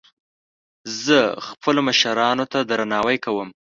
زه خپلو مشرانو ته درناوی کوم